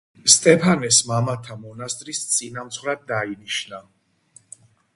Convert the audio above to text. სტეფანეს მამათა მონასტრის წინამძღვრად დაინიშნა.